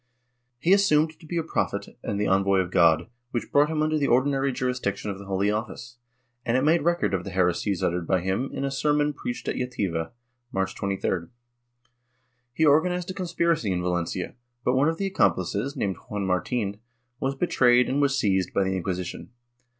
He assumed to be a prophet and the envoy of God, which brought him under the ordinary jurisdiction of the Holy Office, and it made record of the heresies uttered by him in a sermon preached at Jativa, March 23d. He organized a conspiracy in Valencia, but one of the accomplices, named Juan Martin, was betrayed and was seized, by the Inquisition.